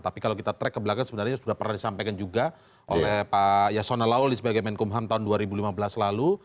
tapi kalau kita track ke belakang sebenarnya sudah pernah disampaikan juga oleh pak yasona lawli sebagai menkumham tahun dua ribu lima belas lalu